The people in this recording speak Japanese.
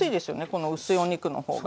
この薄いお肉の方が。